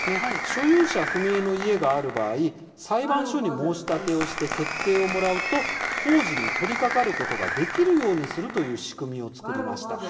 所有者不明の家がある場合裁判所に申し立てをして決定をもらうと工事に取りかかることができるようにするという仕組みを作りました。